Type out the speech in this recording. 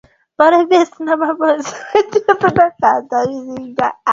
kuwakusanya wasanii na kufanya tamasha